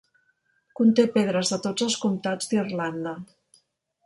Conté pedres de tots els comtats d'Irlanda.